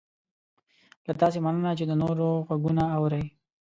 له تاسې مننه چې د نورو غږونه اورئ